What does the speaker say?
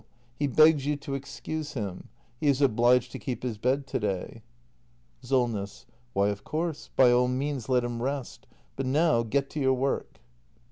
He begs you to excuse him; he is obliged to keep his bed to day. Solness. Why, of course; by all means let him rest. But now, get to your work.